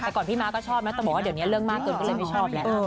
แต่ก่อนพี่ม้าก็ชอบนะแต่บอกว่าเดี๋ยวนี้เรื่องมากเกินก็เลยไม่ชอบแล้ว